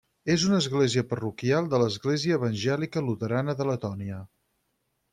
És una església parroquial de l'Església Evangèlica Luterana de Letònia.